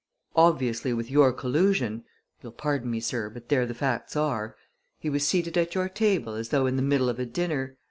"Obviously with your collusion you'll pardon me, sir, but there the facts are he was seated at your table as though in the middle of a dinner.